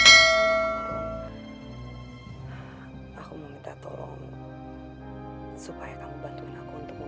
karena kalau aku perhatikan robby masih sangat mencintai kamu rom